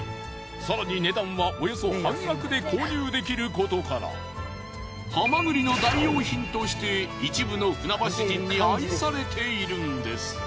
更に値段はおよそ半額で購入できることからハマグリの代用品として一部の船橋人に愛されているんです。